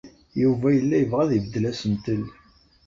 Yuba yella yebɣa ad ibeddel asentel.